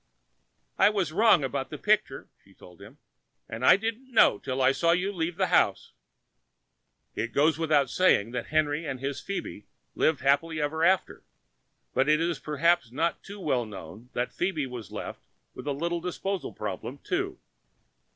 "I was wrong about the picture," she told him, "and I didn't know till I saw you leave the house." It goes without saying that Henry and his Phoebe lived happily ever after, but it is perhaps not so well known that Phoebe was left with a little disposal problem, too.